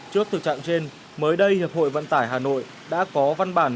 trước thực trạng trên mới đây hiệp hội vận tải hà nội đã có văn bản